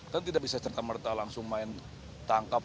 kan tidak bisa setengah setengah langsung main tangkap